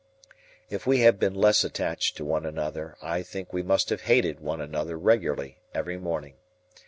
If we had been less attached to one another, I think we must have hated one another regularly every morning.